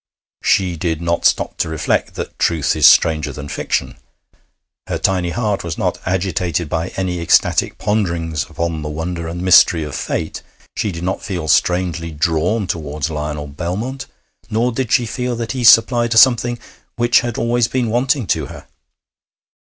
She did not stop to reflect that truth is stranger than fiction. Her tiny heart was not agitated by any ecstatic ponderings upon the wonder and mystery of fate. She did not feel strangely drawn towards Lionel Belmont, nor did she feel that he supplied a something which had always been wanting to her.